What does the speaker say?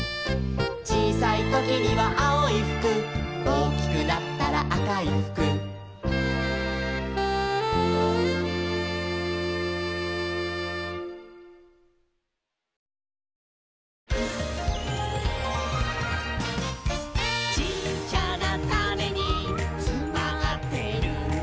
「ちいさいときにはあおいふく」「おおきくなったらあかいふく」「ちっちゃなタネにつまってるんだ」